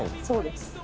そうです。